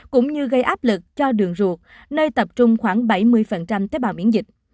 cũng như gây áp lực cho đường ruột nơi tập trung khoảng bảy mươi tế bào miễn dịch